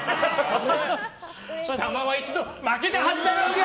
貴様は一度、負けたはずだろ！